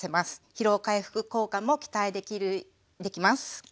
疲労回復効果も期待できます。